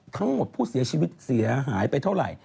ทั้งหมดผู้เสียชีวิตเสียหายไปเท่าไหร่